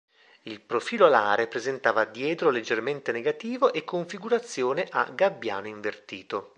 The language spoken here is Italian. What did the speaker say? Il profilo alare presentava diedro leggermente negativo e configurazione a "gabbiano invertito".